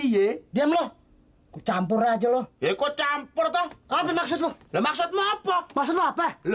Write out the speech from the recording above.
dihentai diam loh campur aja loh ikut campur dong tapi maksudmu maksudnya apa maksudnya apa